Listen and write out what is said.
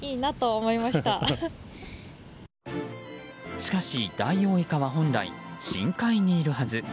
しかし、ダイオウイカは本来、深海にいるはず。